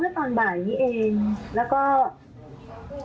สูญเสียเมื่อตอนบ่ายนี้เอง